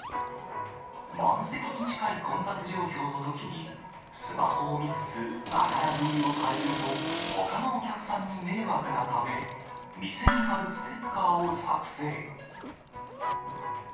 満席に近い混雑状況のときに、スマホを見つつ、ながら食いをされると、ほかのお客さんに迷惑なため、店に貼るステッカーを作成。